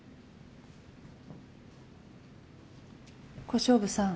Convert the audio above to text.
小勝負さん。